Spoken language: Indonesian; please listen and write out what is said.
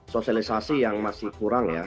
sosialisasi yang masih kurang ya